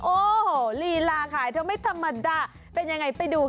โอ้โหลีลาค่ะยังไม่ธรรมดาเป็นอย่างไรไปดูค่ะ